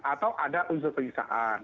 atau ada unsur pengisahan